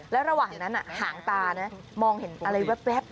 แล้วระหว่างนั้นหางตานะมองเห็นอะไรแว๊บ